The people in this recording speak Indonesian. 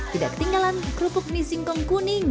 tidak ketinggalan kerupuk misingkong kuning